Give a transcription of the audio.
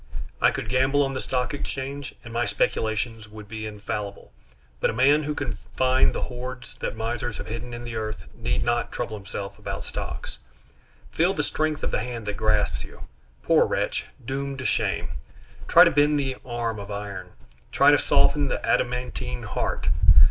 I could gamble on the Stock Exchange, and my speculations would be infallible; but a man who can find the hoards that misers have hidden in the earth need not trouble himself about stocks. Feel the strength of the hand that grasps you; poor wretch, doomed to shame! Try to bend the arm of iron! try to soften the adamantine heart!